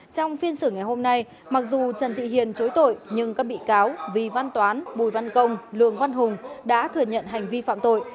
trong phiên xử ngày hôm nay mặc dù trần thị hiền chối tội nhưng các bị cáo vì văn toán bùi văn công lường văn hùng đã thừa nhận hành vi phạm tội